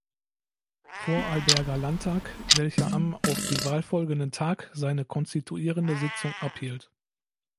Vorarlberger Landtag, welcher am auf die Wahl folgenden Tag seine konstituierende Sitzung abhielt.